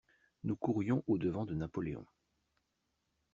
Nous courions au-devant de Napoléon.